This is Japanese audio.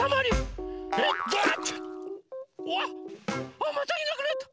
あっまたいなくなった！